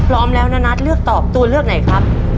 พร้อมแล้วนานัทเลือกตอบตัวเลือกไหนครับ